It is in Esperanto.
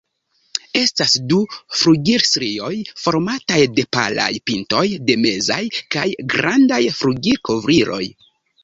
Estas du flugilstrioj, formataj de palaj pintoj de mezaj kaj grandaj flugilkovriloj.